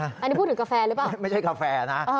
อันนี้พูดถึงกาแฟหรือเปล่าไม่ใช่กาแฟนะ